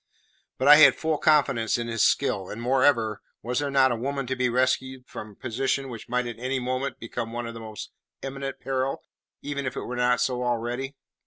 But I had full confidence in his skill; and, moreover, was there not a woman to be rescued from a position which might at any moment become one of the most imminent peril, even if it were not so already?